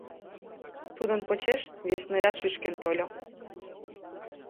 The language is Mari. Тудын почеш вес снаряд шӱшкен тольо.